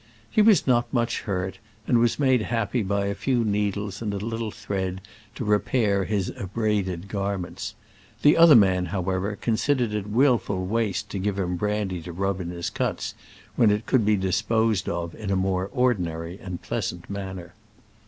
He was not much hurt, and was made happy by a few needles and a little thread to repair his abraded garments : the other man, how ever, considered it willful waste to give him brandy to rub in his cuts, when it could be disposed of in a more ordinary and pleasant manner.